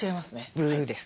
ブーです。